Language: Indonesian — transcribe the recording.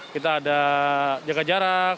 kita ada jaga jarak